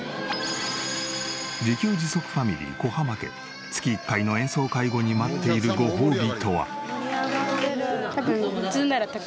自給自足ファミリー小濱家月１回の演奏会後に待っているごほうびとは？